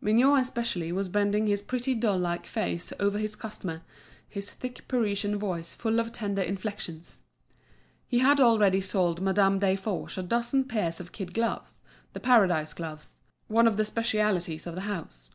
Mignot especially was bending his pretty doll like face over his customer, his thick Parisian voice full of tender inflections. He had already sold Madame Desforges a dozen pairs of kid gloves, the Paradise gloves, one of the specialities of the house.